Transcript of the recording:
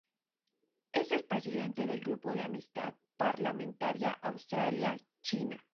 Es el presidente del Grupo de Amistad Parlamentaria Australia-China.